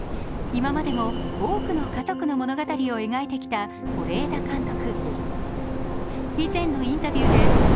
今までも多くの家族の物語を描いてきた是枝監督。